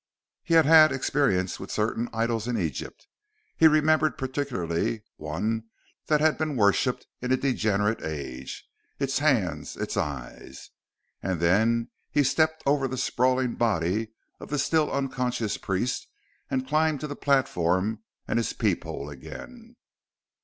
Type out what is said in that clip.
He had had experience with certain idols in Egypt. He remembered particularly one that had been worshipped in a degenerate age its hands, its eyes. And then he stepped over the sprawling body of the still unconscious priest and climbed to the platform and his peep hole again.